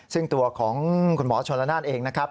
ซึ่งตัวของคุณหมอชนละนานเองนะครับ